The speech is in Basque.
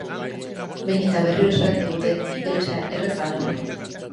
Behin eta berriro esaten digute ingelesa erraza dela.